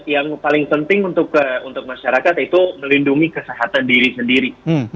yang paling penting untuk masyarakat itu melindungi kesehatan diri sendiri